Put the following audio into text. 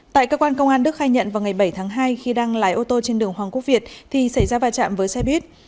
tại cơ quan công an đức khai nhận vào ngày bảy tháng hai khi đang lái ô tô trên đường hoàng quốc việt thì xảy ra va chạm với xe buýt